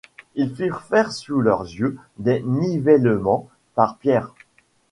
Ils firent faire sous leurs yeux des nivellements par Pierre.